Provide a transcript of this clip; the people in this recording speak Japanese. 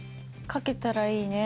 書けたらいいね。